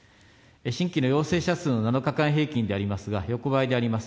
新規の陽性者数の７日間平均でありますが、横ばいであります。